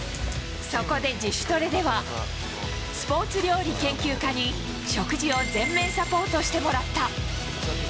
そこで自主トレでは、スポーツ料理研究家に食事を全面サポートしてもらった。